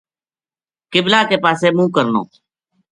قبلہ کے پاسے منہ کرنو۔